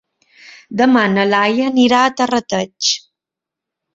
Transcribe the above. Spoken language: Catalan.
Demà na Laia anirà a Terrateig.